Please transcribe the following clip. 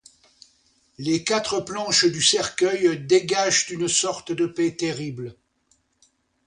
Les quatre planches du cercueil dégagent une sorte de paix terrible.